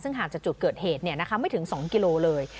ซึ่งห่างจากจุดเกิดเหตุไม่ถึง๒กิโลเลย